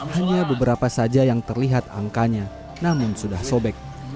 hanya beberapa saja yang terlihat angkanya namun sudah sobek